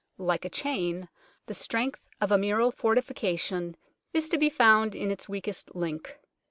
Like a chain, the strength of a mural fortification is to be found in its weakest link.